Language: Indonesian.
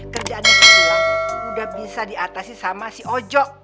kerjaan yang sudah aku udah bisa diatasi sama si ojo